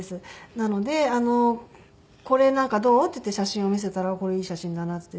なので「これなんかどう？」っていって写真を見せたら「これいい写真だな」って言って。